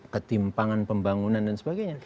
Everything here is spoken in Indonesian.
ketimpangan pembangunan dan sebagainya